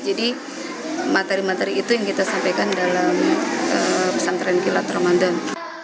jadi materi materi itu yang kita sampaikan dalam pesantren kilas ramadan